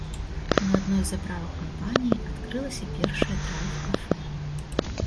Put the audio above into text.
На адной з заправак кампаніі адкрылася першае драйв-кафэ.